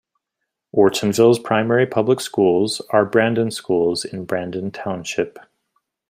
Ortonville's primary public schools are Brandon Schools, in Brandon Township.